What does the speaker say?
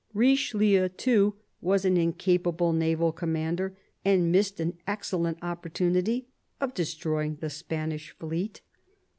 Richelieu, too, was an incapable naval commander, and missed an excellent opportunity of destroying the Spanish fleet.